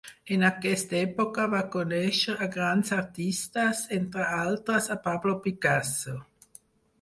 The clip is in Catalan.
En aquesta època va conèixer a grans artistes, entre altres a Pablo Picasso.